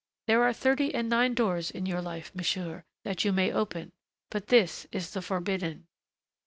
There are thirty and nine doors in your life, monsieur, that you may open, but this is the forbidden...."